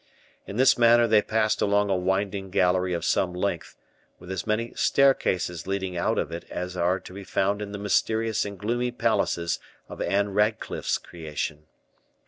In this manner they passed along a winding gallery of some length, with as many staircases leading out of it as are to be found in the mysterious and gloomy palaces of Ann Radcliffe's creation.